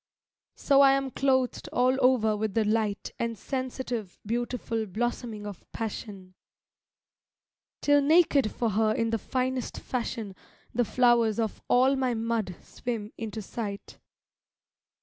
So I am clothed all over with the light And sensitive beautiful blossoming of passion; Till naked for her in the finest fashion The flowers of all my mud swim into sight.